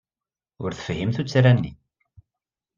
Ur tefhim tuttra-nni.